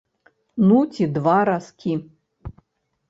Ну ці два разкі.